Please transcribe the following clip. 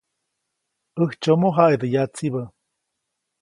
‒ʼÄjtsyomo jaʼidä yatsibä-.